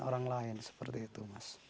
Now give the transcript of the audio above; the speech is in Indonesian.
orang lain seperti itu